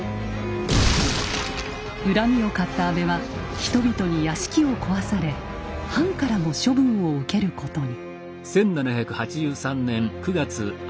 恨みを買った安倍は人々に屋敷を壊され藩からも処分を受けることに。